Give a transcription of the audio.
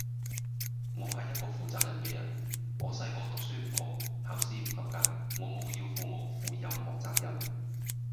我系一個負責任嘅人，我細個讀書唔好，考試唔合格，我冇要父母負任何責任